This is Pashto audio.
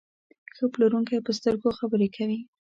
ښه پلورونکی په سترګو خبرې کوي.